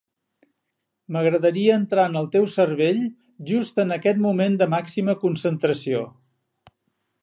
M'agradaria entrar en el teu cervell just en aquest moment de màxima concentració.